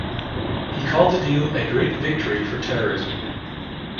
He called the deal a 'great victory for terrorism'.